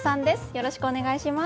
よろしくお願いします。